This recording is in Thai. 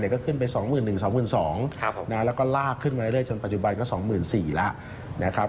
ก็ขึ้นไป๒๑๒๒๐๐แล้วก็ลากขึ้นมาเรื่อยจนปัจจุบันก็๒๔๐๐แล้วนะครับ